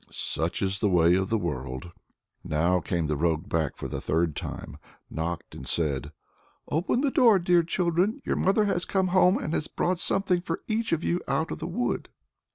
Such is the way of the world! Now came the rogue back for the third time, knocked and said, "Open the door, dear children; your mother has come home, and has brought something for each of you out of the wood."